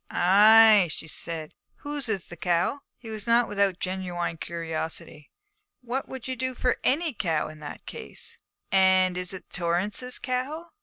'Ay,' she said, 'and whose is the cow?' He was not without a genuine curiosity. 'What would you do for any cow in that case?' 'And is it Torrance's cow?'